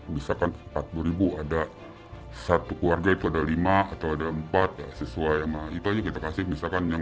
misalkan empat puluh ada satu keluarga itu ada lima atau ada empat siswa yang itu aja kita kasih misalkan yang